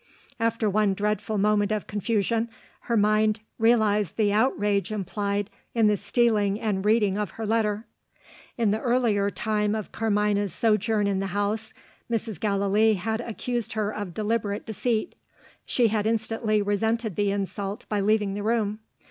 After one dreadful moment of confusion, her mind realised the outrage implied in the stealing and reading of her letter. In the earlier time of Carmina's sojourn in the house, Mrs. Gallilee had accused her of deliberate deceit. She had instantly resented the insult by leaving the room.